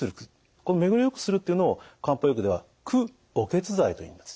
この巡りをよくするっていうのを漢方薬では駆血剤といいます。